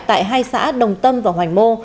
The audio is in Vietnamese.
tại hai xã đồng tâm và hoành mô